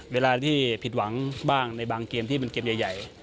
เวลาที่ผิดหวังบ้างในบางเกมที่เป็นเกมใหญ่